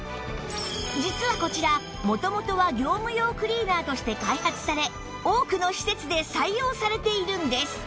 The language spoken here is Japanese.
実はこちら元々は業務用クリーナーとして開発され多くの施設で採用されているんです